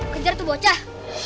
kejar tuh bocah